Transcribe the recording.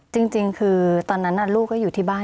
จริงคือตอนนั้นลูกก็อยู่ที่บ้าน